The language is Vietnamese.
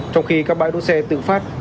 trong khi các bãi đỗ xe tự phát